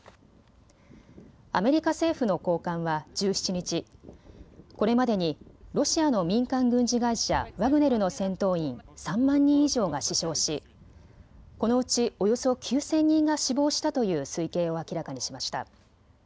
アメリカ政府の高官は１７日、これまでにロシアの民間軍事会社、ワグネルの戦闘員３万人以上が死傷しこのうちおよそ９０００人が死亡したという推計を明らかにしました。